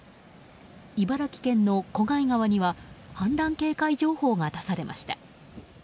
茨城県の小貝川には氾濫警戒情報が出されました。